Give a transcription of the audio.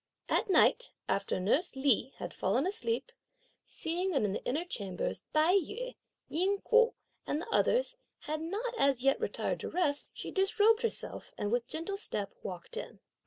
At night, after nurse Li had fallen asleep, seeing that in the inner chambers, Tai yü, Ying Ko and the others had not as yet retired to rest, she disrobed herself, and with gentle step walked in.